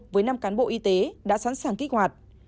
với năm cán bộ y tế đã sẵn sàng kích hoạt